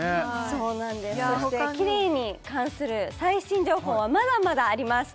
そしてキレイに関する最新情報はまだまだあります